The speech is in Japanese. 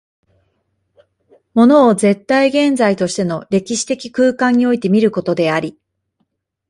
物を絶対現在としての歴史的空間において見ることであり、